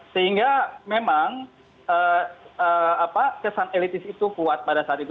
sehingga memang kesan elitis itu kuat pada saat itu